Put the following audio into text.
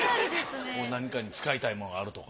何かに使いたいものがあるとか？